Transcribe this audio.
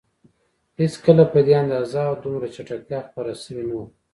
هېڅکله په دې اندازه او دومره چټکتیا خپاره شوي نه وو.